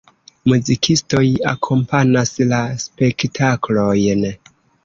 Muzikistoj akompanas la spektaklojn.